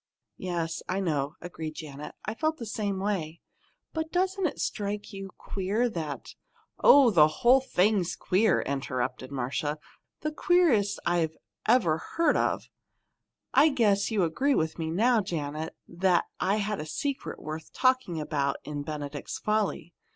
"Yes, I know," agreed Janet. "I felt the same way. But doesn't it strike you queer that " "Oh, the whole thing's queer!" interrupted Marcia. "The queerest I ever heard of. I guess you agree with me now, Janet, that I had a secret worth talking about in 'Benedict's Folly.'